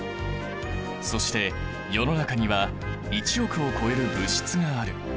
そして世の中には１億を超える物質がある。